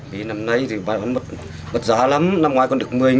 bí xanh năm nay thì bán mất giá lắm năm ngoái còn được một mươi